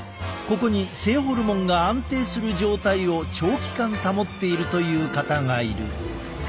ここに性ホルモンが安定する状態を長期間保っているという方がいる。